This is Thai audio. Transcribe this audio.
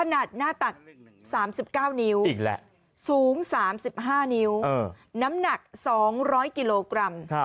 หนักหน้าตัก๓๙นิ้วสูง๓๕นิ้วน้ำหนัก๒๐๐กิโลกรัม